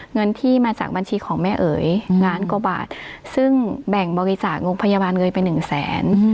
เงินที่มาจากบัญชีของแม่เอ๋ยล้านกว่าบาทซึ่งแบ่งบริจาคโรงพยาบาลเงินไปหนึ่งแสน